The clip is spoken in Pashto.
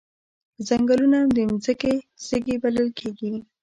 ځنګلونه د ځمکې سږي بلل کیږي